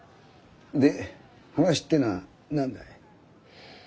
で話ってのは何だい？